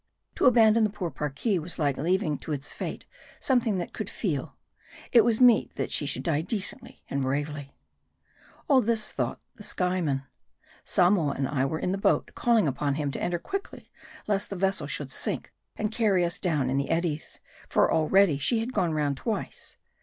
To abandon the poor Parki was like leaving to its fate something that could feel. It was meet that she should die decently and bravely. All this thought the Skyeman. Samoa and I were in the boat, calling upon him to enter quickly, lest the vessel should sink, and carry us down in the eddies ; for already she had gone round twice.